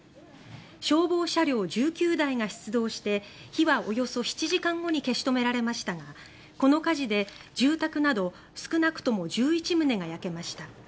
消防車両１９台が出動して火はおよそ７時間後に消し止められましたがこの火事で住宅など少なくとも１１棟が焼けました。